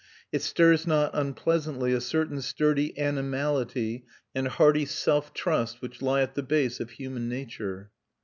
It stirs not unpleasantly a certain sturdy animality and hearty self trust which lie at the base of human nature.